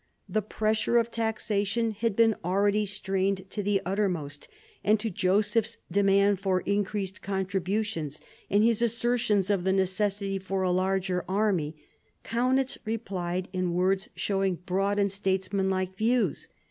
The pressure of taxation had been already strained to the uttermost; and to Joseph's demand for increased contributions, and his assertions of the necessity for a larger army, Kaunitz replied in words showing broad and statesmanlike views.